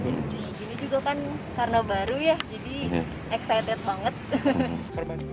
begini juga kan karena baru ya jadi excited banget